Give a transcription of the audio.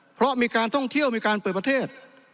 เพราะมีการท่องเที่ยวมีการเปิดประเทศ